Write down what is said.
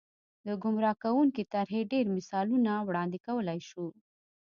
د ګمراه کوونکې طرحې ډېر مثالونه وړاندې کولای شو.